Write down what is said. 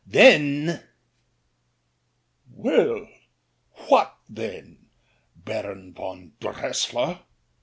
then " "Well, what then. Baron von Dressier?"